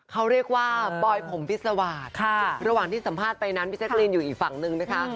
เขาเรียกว่าบอยผมพิษวาสระหว่างที่สัมภาษณ์ไปนั้นพี่แจ๊กรีนอยู่อีกฝั่งนึงนะคะ